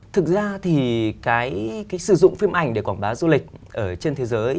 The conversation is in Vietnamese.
thực ra thì cái sử dụng phim ảnh để quảng bá du lịch ở trên thế giới